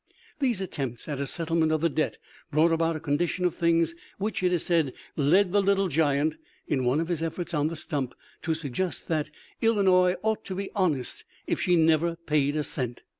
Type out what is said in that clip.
These attempts at a settlement of the debt brought about a condition of things which it is said led the Little Giant, in one of his efforts on the stump, to suggest that " Illinois ought to be honest if she never paid a cent."